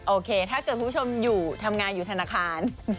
โอเคถ้าเกิดคุณผู้ชมอยู่ทำงานอยู่ธนาคาร